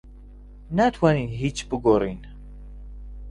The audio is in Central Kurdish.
ناتوانین هیچ بگۆڕین.